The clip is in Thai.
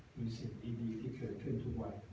มีเส่็นดีที่เผยเผ็นทุกวัน